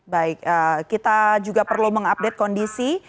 baik kita juga perlu mengupdate kondisi